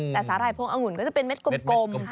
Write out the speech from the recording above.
แต่สาหร่ายพวงองุ่นก็จะเป็นเม็ดกลม